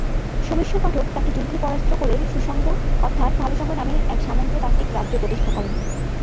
সোমেশ্বর পাঠক তাকে যুদ্ধে পরাস্ত করে সু-সঙ্গ অর্থাৎ ভাল সঙ্গ নামে এক সামন্ততান্ত্রিক রাজ্য প্রতিষ্ঠা করেন।